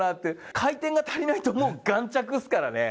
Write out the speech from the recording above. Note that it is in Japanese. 回転が足りないと顔着ですからね。